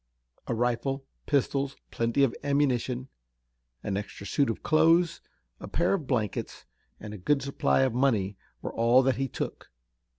A rifle, pistols, plenty of ammunition, an extra suit of clothes, a pair of blankets, and a good supply of money were all that he took.